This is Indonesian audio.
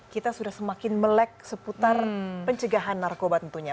kita sudah semakin melek seputar pencegahan narkoba tentunya